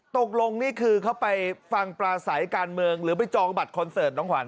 ตกลงนี่คือเขาไปฟังปลาใสการเมืองหรือไปจองบัตรคอนเสิร์ตน้องขวาน